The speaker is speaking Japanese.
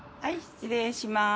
失礼します。